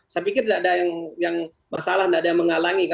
saya pikir tidak ada yang masalah tidak ada yang menghalangi